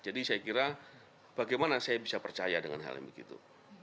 jadi saya kira bagaimana saya bisa percaya dengan hal yang begitu